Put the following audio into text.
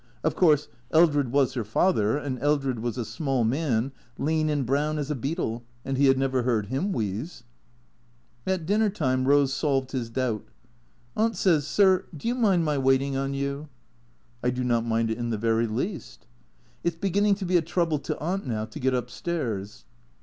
Of course, Eldred was 24 THE CREA TOES her father; and Eldred was a small man, lean and brown as a beetle; and he had never heard him wheeze. At dinner time Eose solved his doubt. " Aunt says, sir, do you mind my waitin' on you ?"" I do not mind it in the very least." " It '& beginning to be a trouole to Aunt now to get up stairs."